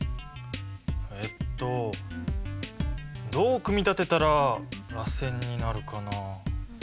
えっとどう組み立てたららせんになるかなあ。